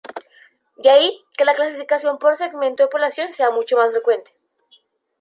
De ahí que la clasificación por segmento de población sea mucho más frecuente.